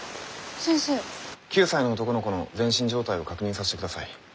９歳の男の子の全身状態を確認させてください。